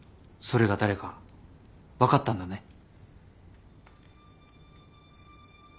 それが誰か分かったんだね。